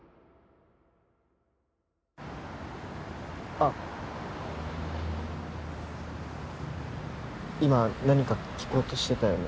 あっ今何か聞こうとしてたよね